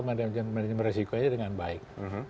mereka bisa mengelola manajemen resiko dengan baik